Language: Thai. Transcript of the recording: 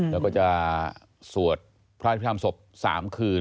แล้วก็จะสวดพระพี่ทำบ๓คืน